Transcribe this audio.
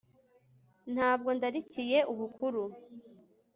nta bwo ndarikiye ubukuru